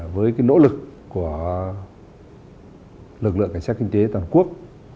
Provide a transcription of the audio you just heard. với cái nỗ lực của lực lượng cảnh sát kinh tế toàn quốc